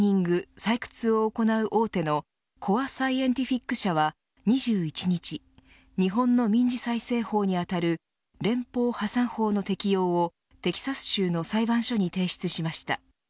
採掘を行う大手のコア・サイエンティフィック社は２１日日本の民事再生法に当たる連邦破産法の適用をテキサス州の裁判所に提出しました。